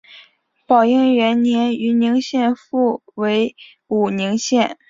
宝应元年豫宁县复为武宁县。